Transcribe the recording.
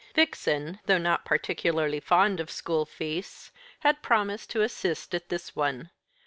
Vixen, though not particularly fond of school feasts, had promised to assist at this one.